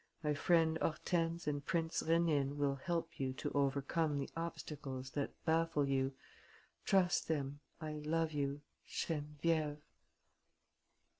My friend Hortense and Prince Rénine will help you to overcome the obstacles that baffle you. Trust them. I love you. "GENEVIÈVE."